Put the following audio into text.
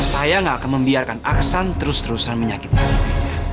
saya gak akan membiarkan aksan terus terusan menyakitkan